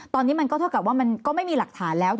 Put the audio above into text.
ตอนนี้ก็ไม่มีหลักฐานแล้ว